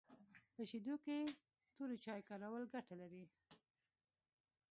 په شیدو کي توري چای کارول ګټه لري